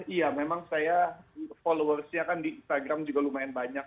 iya memang followers nya di instagram juga lumayan banyak